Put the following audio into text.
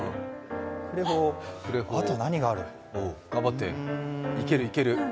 あと何がある頑張って、いける、いける。